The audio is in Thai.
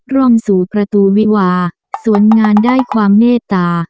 ร่องสู่ประตูวิวาสวนงานได้ความเมตตา